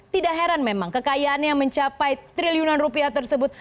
tidak heran memang kekayaannya mencapai rp tiga sebelas triliun tersebut